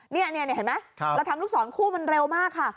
นี่อันนี้เห็นไหมเราทำลูกสอนคู่มันเร็วมากค่ะ